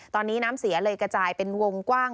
ตอนนี้น้ำเสียเลยกระจายเป็นวงกว้าง